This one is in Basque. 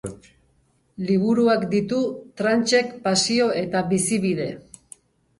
Liburuak ditu Tranchek pasio eta bizibide.